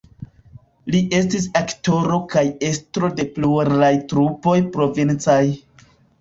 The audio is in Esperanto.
Li estis aktoro kaj estro de pluraj trupoj provincaj.